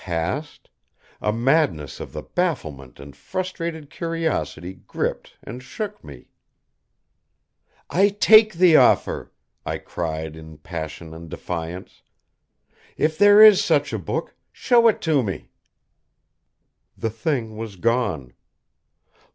Past? A madness of bafflement and frustrated curiosity gripped and shook me. "I take the offer," I cried in passion and defiance. "If there is such a book, show it to me!" The Thing was gone.